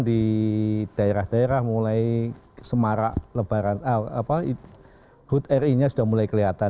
di daerah daerah mulai semarak lebaran hud ri nya sudah mulai kelihatan